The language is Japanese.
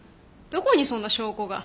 どこにそんな証拠が？